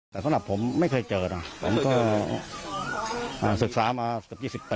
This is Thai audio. แต่สำหรับผมไม่เคยเจอนะผมก็เอ่อศึกษามาก็๒๐ปีนะ